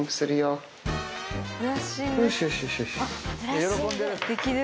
喜んでる。